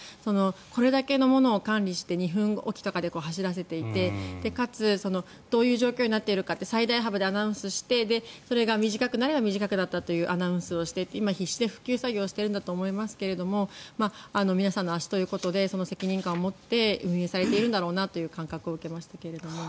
これだけのものを管理して２分おきとかで走らせていてかつどういう状況になっているかって最大幅でアナウンスしてそれが短くなれば短くなったというアナウンスをして今、必死で復旧作業をしているんだと思いますが皆さんの足ということで責任感を持って運営されているんだなという感覚を受けましたけども。